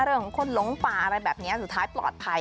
เรื่องของคนหลงป่าอะไรแบบนี้สุดท้ายปลอดภัย